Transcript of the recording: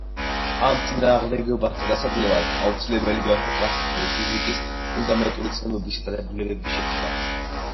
ამ წინააღმდეგობათა დასაძლევად აუცილებელი გახდა კლასიკური ფიზიკის ფუნდამენტური ცნებებისა და დებულებების შეცვლა.